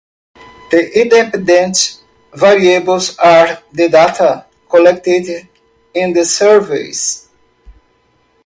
The independent variables are the data collected in the survey.